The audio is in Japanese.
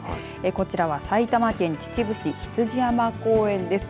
こちらは埼玉県秩父市羊山公園です。